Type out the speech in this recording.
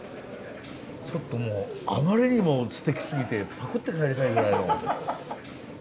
ちょっともうあまりにもすてきすぎてパクって帰りたいぐらいの。